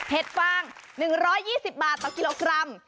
ฟาง๑๒๐บาทต่อกิโลกรัม